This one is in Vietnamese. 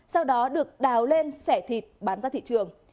sau đó được đào lên xẻ thịt bán ra thị trường